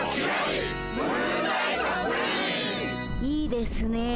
いいですね。